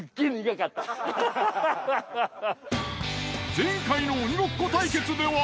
前回の鬼ごっこ対決では。